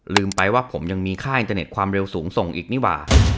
ลืมไปว่าผมยังมีค่ายอินเตอร์เน็ตความเร็วสูงส่งอีกนี่หว่า